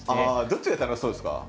どっちが楽しそうですか？